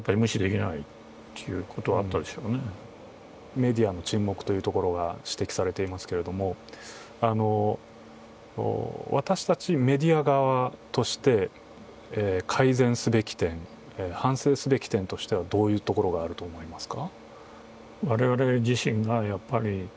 メディアの沈黙というところが指摘されていますけれど、私たちメディア側として改善すべき点、反省すべき点としては、どういうところがあると思いますか？